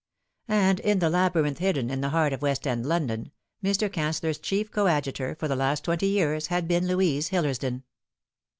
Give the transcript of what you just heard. And in the labyrinth hidden in the heart of West End London Mr. Cancellor's chief coadjutor for the last twenty years had been Louise Hillersdon.